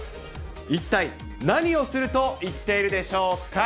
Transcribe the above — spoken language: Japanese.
一体何をすると言っているでしょうか。